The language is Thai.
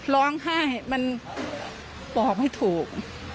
ร้องไห้มันบอกไม่ถูก